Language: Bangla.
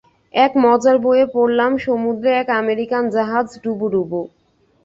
এক মজার বইয়ে পড়লাম, সমুদ্রে এক আমেরিকান জাহাজ ডুবু ডুবু।